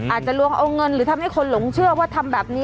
อาจจะลวงเอาเงินหรือทำให้คนหลงเชื่อว่าทำแบบนี้